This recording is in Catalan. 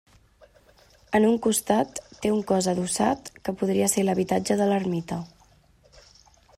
En un costat té un cos adossat que podria ser l'habitatge de l'ermita.